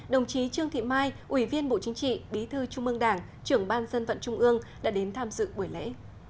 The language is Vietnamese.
đồng chí trương thị mai ủy viên bộ chính trị bí thư trung ương đảng trưởng ban dân vận trung ương đã đến tham dự buổi lễ